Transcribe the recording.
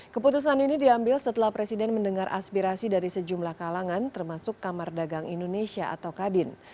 keputusan ini diambil setelah presiden mendengar aspirasi dari sejumlah kalangan termasuk kamar dagang indonesia atau kadin